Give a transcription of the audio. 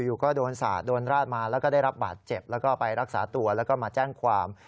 อยู่ก็โดนสาดโดนราดมาแล้วก็ได้รับบาดเจ็บแล้วก็ไปรักษาตัวแล้วก็มาแจ้งความ